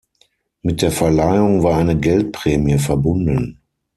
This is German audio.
Mit der Verleihung war eine Geldprämie verbunden.